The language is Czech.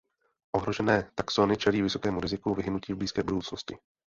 Ohrožené taxony čelí vysokému riziku vyhynutí v blízké budoucnosti.